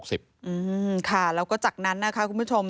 ค่ะแล้วก็จากนั้นนะคะคุณผู้ชม